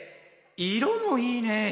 色もいいねぇ。